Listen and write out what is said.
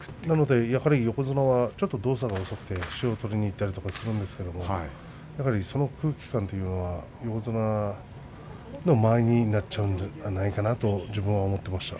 横綱はちょっと動作が遅くて塩を取りにいったりするんですけれどその空気感というのは横綱の間合いになっちゃうんじゃないかなと自分は思っていました。